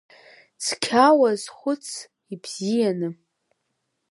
Цқьа уазхәыц ибзианы!